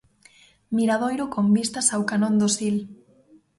Miradoiro con vistas ao canón do Sil.